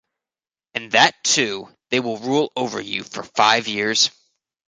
And that too they will rule over you for five years.